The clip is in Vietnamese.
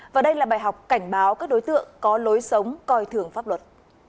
và đây là bài học cảnh báo các đối tượng có lối sống coi thường pháp luật